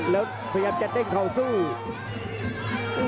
แล้วพยายามจะเด้งเขาสู้